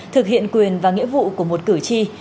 thực hiện quyền và nghĩa vụ của một cử tri